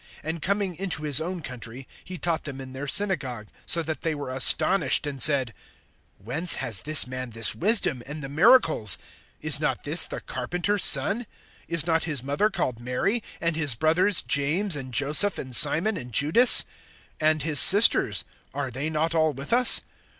(54)And coming into his own country, he taught them in their synagogue; so that they were astonished, and said: Whence has this man this wisdom, and the miracles? Is not this the carpenter's son? (55)Is not his mother called Mary, and his brothers, James, and Joseph[13:55], and Simon, and Judas? (56)And his sisters, are they not all with us?